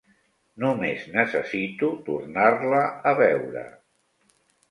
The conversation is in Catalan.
Només necessito tornar-la a veure.